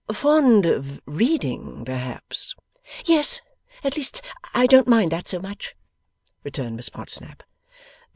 'Fond of reading perhaps?' 'Yes. At least I don't mind that so much,' returned Miss Podsnap.